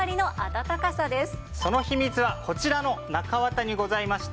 その秘密はこちらの中綿にございまして。